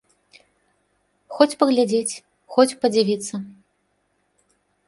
Хоць паглядзець, хоць падзівіцца.